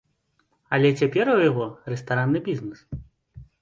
Але цяпер у яго рэстаранны бізнэс.